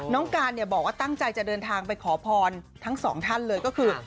การเนี่ยบอกว่าตั้งใจจะเดินทางไปขอพรทั้งสองท่านเลยก็คือ